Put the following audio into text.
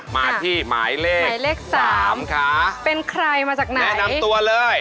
มาที่หมายเลข๓ค่ะแนะนำตัวเลยครับเป็นใครมาจากไหน